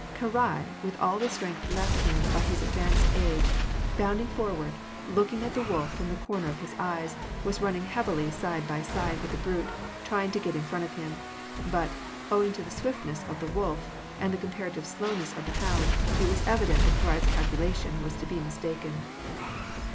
Karai, with all the strength left him by his advanced age, bounding forward, looking at the wolf from the corner of his eyes, was running heavily side by side with the brute, trying to get in front of him. But, owing to the swiftness of the wolf, and the comparative slowness of the hound, it was evident that Karai's calculation was to be mistaken.